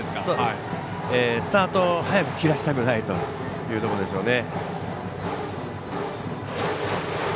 スタートを早く切らせたくないというところでしょうね。